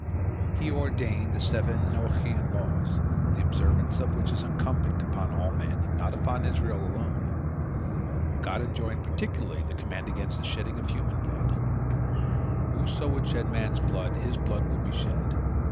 He ordained the seven Noachian laws, the observance of which is incumbent upon all men, not upon Israel alone. God enjoined particularly the command against the shedding of human blood. Whoso would shed man's blood, his blood would be shed.